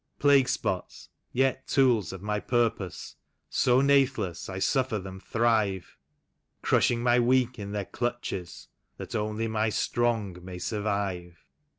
Plague spots, yet tools of my purpose, so natheless I suffer them thrive, Crushing my Weak in their clutches, that only my Strong may survive.